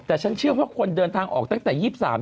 แต่ฉันเชื่อว่าคนเดินทางออกตั้งแต่๒๓